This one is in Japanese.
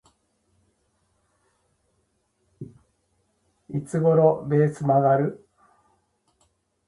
いつ頃ベース曲がる？